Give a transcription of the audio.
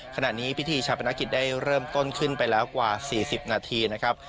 ขณะนี้พิธีชาปนกิจได้เริ่มต้นขึ้นไปแล้วกว่า๔๐นาทีนะครับ